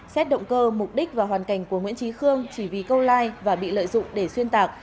xét động cơ mục đích và hoàn cảnh của nguyễn trí khương chỉ vì câu like và bị lợi dụng để xuyên tạc